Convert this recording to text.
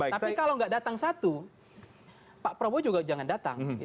tapi kalau nggak datang satu pak prabowo juga jangan datang